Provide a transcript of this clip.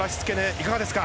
いかがですか？